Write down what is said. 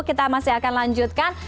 kita masih akan lanjutkan